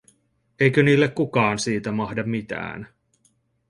Eikö niille kukaan siitä mahda mitään?